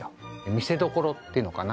見せ所っていうのかな